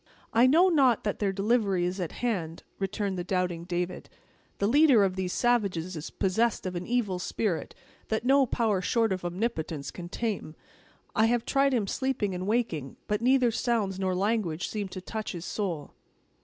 "I know not that their delivery is at hand," returned the doubting David; "the leader of these savages is possessed of an evil spirit that no power short of Omnipotence can tame. I have tried him sleeping and waking, but neither sounds nor language seem to touch his soul."